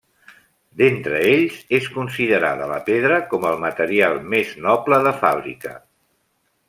D'entre ells és considerada la pedra com el material més noble de fàbrica.